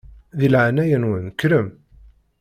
Di leɛnaya-nwen kkrem.